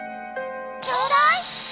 ちょうだい！